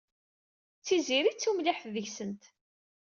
D Tiziri i d tumliḥt deg-sent.